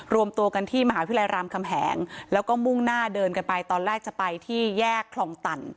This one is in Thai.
รวมตัวกันที่มหาวิทยาลัยรามคำแหงแล้วก็มุ่งหน้าเดินกันไปตอนแรกจะไปที่แยกคลองตัน